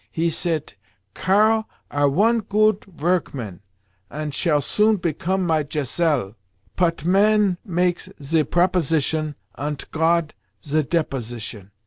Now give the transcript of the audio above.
He sayt, 'Karl are one goot vorkman, ant shall soon become my Geselle.' Pot—man makes ze proposition, ant Got ze deposition.